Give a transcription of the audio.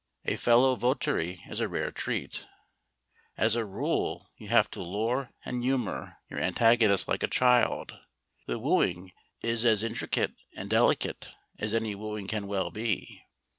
A fellow votary is a rare treat. As a rule you have to lure and humour your antagonist like a child. The wooing is as intricate and delicate as any wooing can well be.